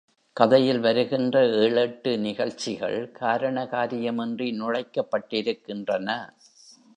கதையில் வருகின்ற ஏழெட்டு நிகழ்ச்சிகள் காரண காரியமின்றி நுழைக்கப்பட்டிருக்கின்றன.